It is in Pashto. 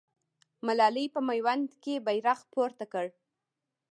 ملالۍ په میوند کې بیرغ پورته کړ.